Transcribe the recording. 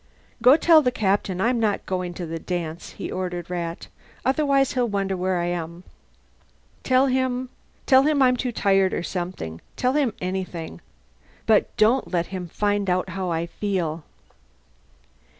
"Go tell the Captain I'm not going to the dance," he ordered Rat. "Otherwise he'll wonder where I am. Tell him tell him I'm too tired, or something. Tell him anything. But don't let him find out how I feel."